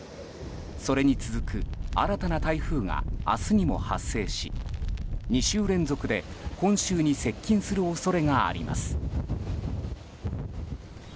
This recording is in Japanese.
それに続く新たな台風が明日にも発生し２週連続で本州に接近する恐れがあります。